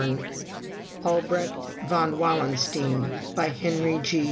] ALBRECHT VON WALLENSTEIN By HENRY G.